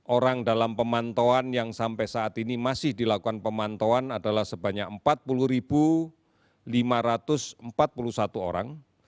orang dalam pemantauan yang sampai saat ini masih dilakukan pemantauan adalah sebanyak empat puluh lima ratus empat puluh satu orang